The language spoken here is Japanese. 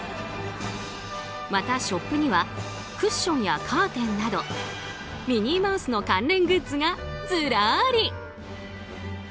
また、ショップにはクッションやカーテンなどミニーマウスの関連グッズがずらり。